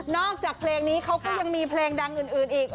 อกจากเพลงนี้เขาก็ยังมีเพลงดังอื่นอีก